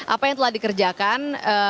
apa yang telah dikerjakan